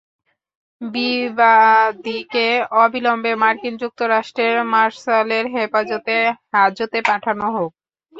বিবাদীকে অবিলম্বে মার্কিন যুক্তরাষ্ট্রের মার্শালের হেফাজতে হাজতে পাঠানো হোক।